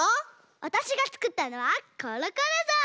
わたしがつくったのはコロコロぞう！